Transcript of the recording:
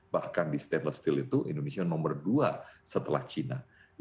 bahkan di stainless steel itu indonesia nomor dua setelah china